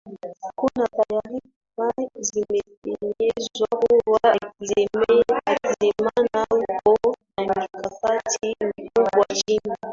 Kuna taarifa zimepenyezwa kuwa Hakizemana yupo na mikakati mikubwa nchini